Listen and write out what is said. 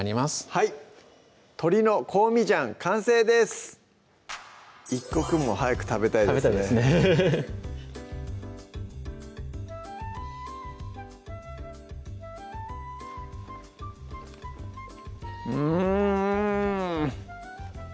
はい「鶏の香味醤」完成です一刻も早く食べたいですね食べたいですねうん！